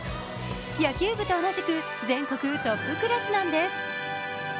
野球部と同じく全国トップクラスなんです。